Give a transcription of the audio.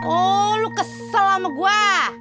oh lu kesel sama gue